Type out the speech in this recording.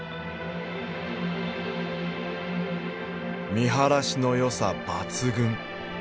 見晴らしのよさ抜群。